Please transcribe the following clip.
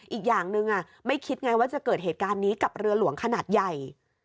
อีกอย่างหนึ่งไม่คิดไงว่าจะเกิดเหตุการณ์นี้กับเรือหลวงขนาดใหญ่